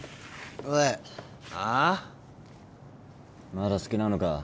まだ好きなのか？